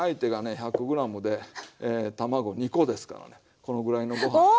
１００ｇで卵２コですからねこのぐらいの。